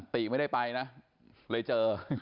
ติไม่ได้ไปนะเลยเจอ